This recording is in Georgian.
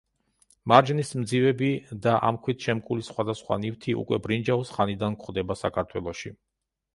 მარჯნის მძივები და ამ ქვით შემკული სხვადასხვა ნივთი უკვე ბრინჯაოს ხანიდან გვხვდება საქართველოში.